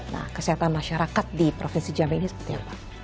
nah kesehatan masyarakat di provinsi jambi ini seperti apa